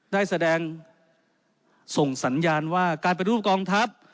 ได้แสดงส่งสัญญาณว่าการปฏิรูปกองทัพ